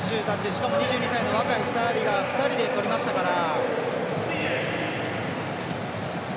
しかも２２歳の若い２人が２人で取りましたから。